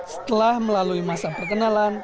setelah melalui masa perkenalan